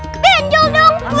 ke benjol dong ke bawah dong